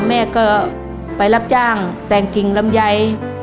แม่ก็ไปรับจ้างแต่งกิ่งลำไย